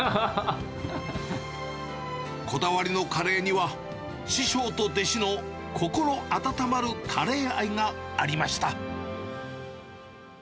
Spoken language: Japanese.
こだわりのカレーには、師匠と弟子の心温まるカレー愛がありました。